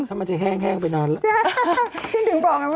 ถ้ามันจะแห้งไปนอนแล้ว